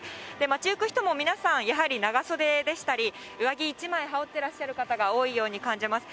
街行く人も皆さん、やはり長袖でしたり、上着１枚羽織ってらっしゃる方が多いように感じます。